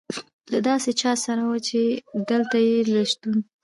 له داسې چا سره وه، چې دلته یې د شتون.